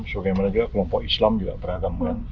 sebagaimana juga kelompok islam juga beragam kan